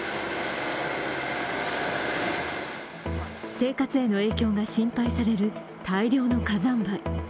生活への影響が心配される大量の火山灰。